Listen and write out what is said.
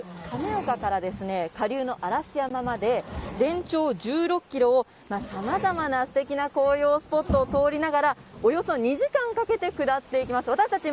上流、亀岡から下流の嵐山にかけて全長１６ｋｍをさまざまな紅葉スポットを巡りながらおよそ２時間かけて下っていきます。